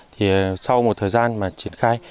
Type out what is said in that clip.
thì sau một thời gian mà triển khai